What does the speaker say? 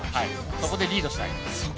そこでリードしたい。